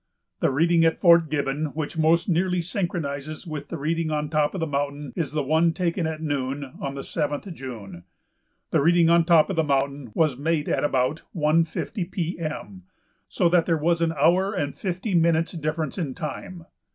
The reading at Fort Gibbon which most nearly synchronizes with the reading on top of the mountain is the one taken at noon on the 7th June. The reading on top of the mountain was made at about 1.50 P. M., so that there was an hour and fifty minutes difference in time.